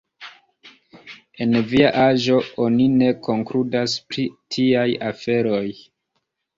En via aĝo oni ne konkludas pri tiaj aferoj.